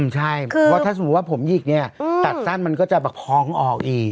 ถ้าสมมุติว่าผมหยิกเนี่ยตัดสั้นมันก็จะพ้องออกอีก